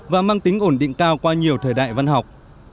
và mang tính ổn định cao qua nhiều thời đại văn học